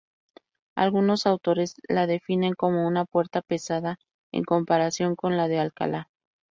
Algunos autores la definen como una puerta 'pesada' en comparación con la de Alcalá.